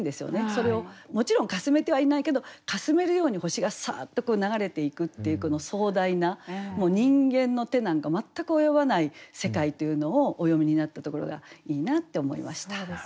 それをもちろんかすめてはいないけどかすめるように星がサッと流れていくっていうこの壮大な人間の手なんか全く及ばない世界というのをお詠みになったところがいいなって思いました。